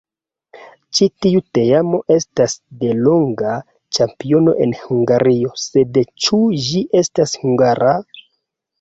Ĉi tiu teamo estas delonga ĉampiono en Hungario, sed ĉu ĝi estas hungara?